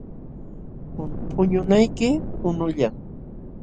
Puñunayki qunullam.